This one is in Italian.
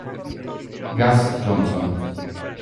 Gus Johnson